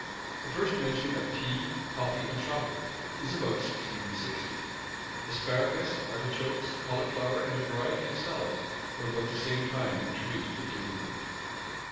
The first mention of tea, coffee, and chocolate, is about 1660.[*] Asparagus, artichokes, cauliflower, and a variety of salads, were about the same time introduced into England.